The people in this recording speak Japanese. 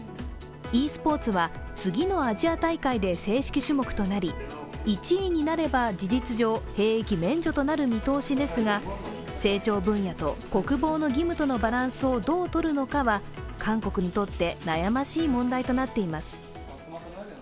ｅスポーツは、次のアジア大会で正式種目となり、１位になれば事実上、兵役免除となる見通しですが、成長分野と国防の義務とのバランスをどうとるのかは韓国にとって悩ましい問題となっています。